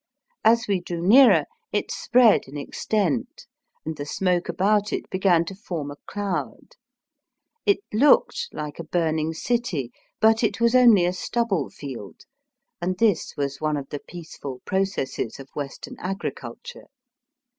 As we drew nearer it spread in extent, and the smoke about it began to form a cloud. It looked like a burning city ; but it was only a stubble field, and this was one of the peaceful processes of Western agriculture.